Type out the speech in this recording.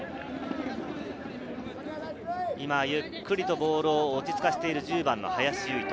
ゆっくりとボールを落ち着かせている、１０番・林結人。